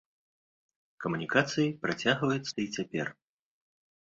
Камунікацыі працягваюцца і цяпер.